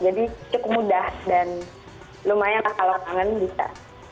jadi cukup mudah dan lumayan lah kalau kangen bisa